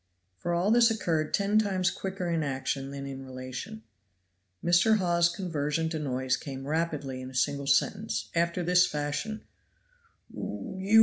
For all this occurred ten times quicker in action than in relation. Mr. Hawes's conversion to noise came rapidly in a single sentence, after this fashion: " you!